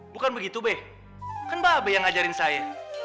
bukan begitu be kan mba be yang ngajarin saya